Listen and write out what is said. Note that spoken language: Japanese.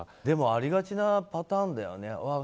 でもありがちなパターンだよね。